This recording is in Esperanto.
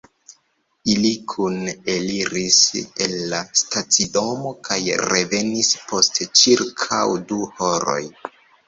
Ili kune eliris el la stacidomo kaj revenis post ĉirkaŭ du horoj.